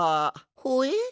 ほえ？